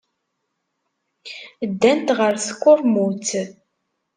Ddant ɣer tkurmut.